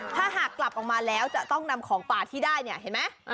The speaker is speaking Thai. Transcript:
ถ้าหากกลับออกมาแล้วจะต้องนำของป่าที่ได้เนี่ยเห็นไหม